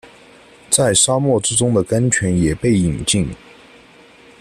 在沙漠之中的甘泉也被饮尽